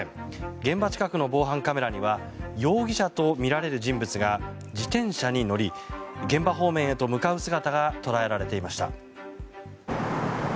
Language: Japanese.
現場近くの防犯カメラには容疑者とみられる人物が自転車に乗り現場方面へと向かう姿が捉えられていました。